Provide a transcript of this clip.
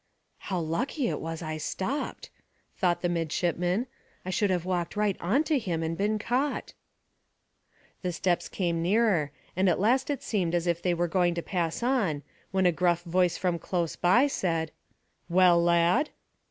"How lucky it was I stopped!" thought the midshipman. "I should have walked right on to him and been caught." The steps came nearer, and at last it seemed as if they were going to pass on, when a gruff voice from close by said, "Well, lad?"